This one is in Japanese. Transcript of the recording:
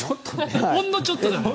ほんのちょっとだよ。